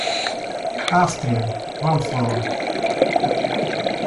Австрия, вам слово.